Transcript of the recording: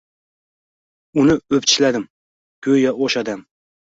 Uni opichladim, goʻyo oʻsha dam